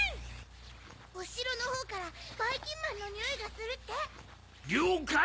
「おしろのほうからばいきんまんのにおいがする」って・りょうかい！